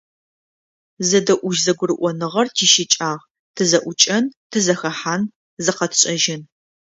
Зэдэӏужь-зэгурыӏоныгъэр тищыкӏагъ: тызэӏукӏэн, тызэхэхьан, зыкъэтшӏэжьын…